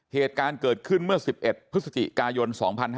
เหตุการณ์เกิดขึ้นเมื่อ๑๑พฤศจิกายน๒๕๕๙